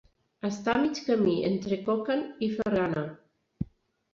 Està a mig camí entre Kokand i Fergana.